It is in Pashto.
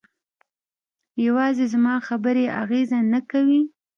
یوازې زما خبرې اغېزه نه کوي.